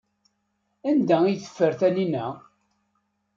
Anda ay teffer Taninna?